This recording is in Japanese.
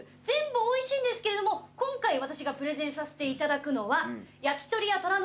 全部おいしいんですけれども今回私がプレゼンさせていただくのは。えっ？